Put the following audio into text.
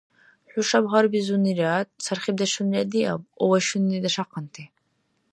ХӀушаб гьарбизунира сархибдешунира диаб, овощуни дашахъанти!